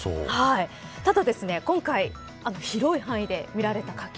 ただですね、今回広い範囲で見られた火球。